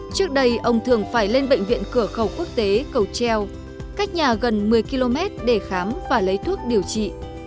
trước đây ông thường phải lên bệnh viện cửa khẩu quốc tế cầu treo cách nhà gần một mươi km để khám và lấy thuốc điều trị